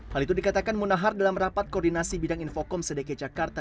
hal itu dikatakan munahan dalam rapat koordinasi bidang infocom sedekai jakarta